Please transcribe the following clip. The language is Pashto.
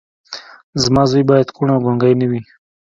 زما زوی بايد کوڼ او ګونګی نه وي.